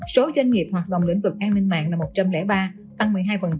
số doanh nghiệp hoạt động lĩnh vực an ninh mạng là một trăm linh ba tăng một mươi hai